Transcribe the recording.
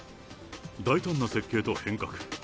大胆な設計と変革。